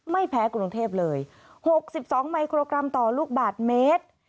ไม่แพ้กรุงเทพเลย๖๒มิโครกรัมต่อลูกบาทเมตร